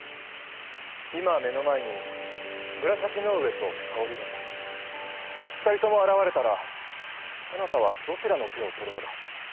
今目の前に紫の上と沙織殿２人とも現れたらそなたはどちらの手を取るのだ。